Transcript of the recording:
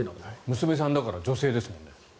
娘さんだから女性ですもんね。